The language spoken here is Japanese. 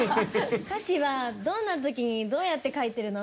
歌詞はどんな時にどうやって書いてるの？